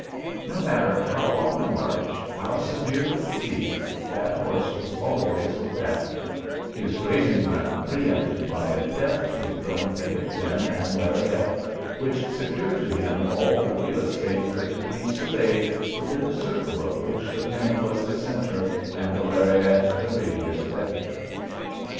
No matter how long the march, how severe the fatigue, that horse was always looked after, his grazing ground pre empted by a deftly thrown picket pin and lariat which secured to him all the real estate that could be surveyed within the circle of which the pin was the centre and the lariat the radius vector.